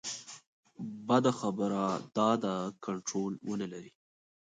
بده خبره دا ده کنټرول ونه لري.